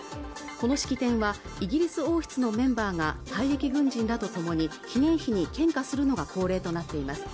この式典はイギリス王室のメンバーが退役軍人らとともに記念碑に献花するのが恒例となっています